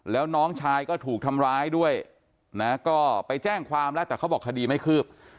แล้วน้องชายก็ถูกทำร้ายด้วยนะก็ไปแจ้งความแล้วแต่เขาบอกคดีไม่คืบ